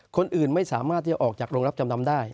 คนอื่นไม่สามารถที่จะออกจากโรงรับจำนำได้